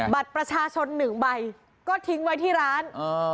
บัตรประชาชน๑ใบก็ทิ้งไว้ที่ร้าน